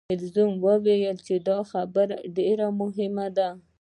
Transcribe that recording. هولمز وویل چې دا خبره ډیره مهمه ده.